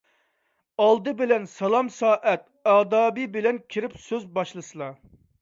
ئالدى بىلەن سالام - سەھەت ئادابى بىلەن كىرىپ سۆز باشلىسىلا.